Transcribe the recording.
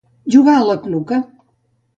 Jugar a la cluca.